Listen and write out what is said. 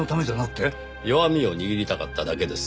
弱みを握りたかっただけです。